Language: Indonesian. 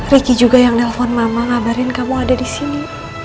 riki juga yang nelfon mama ngabarin kamu ada disini